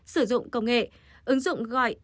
sử dụng công nghệ ứng dụng gọi